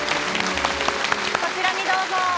こちらにどうぞ。